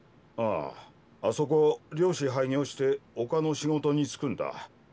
あぁあそこ漁師廃業して陸の仕事に就くんだ。